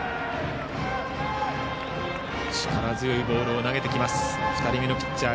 力強いボールを投げてくる２人目のピッチャー